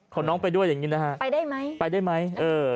ขอน้องไปด้วยอย่างนี้นะฮะไปได้ไหมเออ